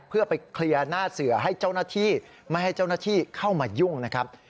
เพื่อไปเคลียร์หน้าเสือให้เจ้าหน้าที่ไม่ให้เจ้าหน้าที่เข้ามายุ่งนะครับ